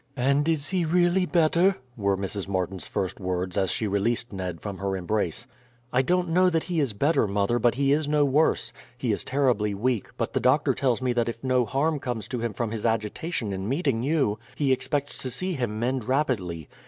"And he is really better?" were Mrs. Martin's first words as she released Ned from her embrace. "I don't know that he is better, mother, but he is no worse. He is terribly weak; but the doctor tells me that if no harm comes to him from his agitation in meeting you, he expects to see him mend rapidly.